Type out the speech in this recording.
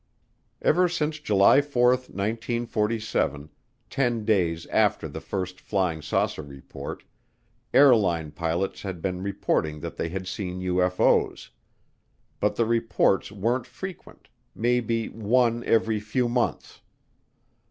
Ever since July 4, 1947, ten days after the first flying saucer report, airline pilots had been reporting that they had seen UFO's. But the reports weren't frequent maybe one every few months.